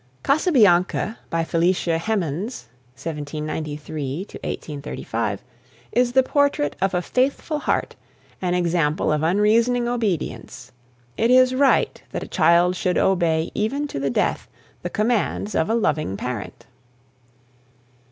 "Casabianca," by Felicia Hemans (1793 1835), is the portrait of a faithful heart, an example of unreasoning obedience. It is right that a child should obey even to the death the commands of a loving parent.